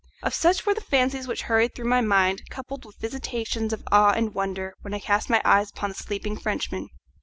Of such were the fancies which hurried through my mind, coupled with visitations of awe and wonder when I cast my eyes upon the sleeping Frenchman.